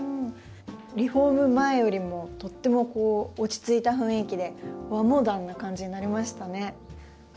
リフォーム前よりもとっても落ち着いた雰囲気で和モダンな感じになりましたね。